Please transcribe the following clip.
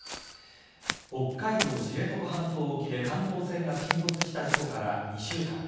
北海道知床半島沖で観光船が沈没した事故から２週間。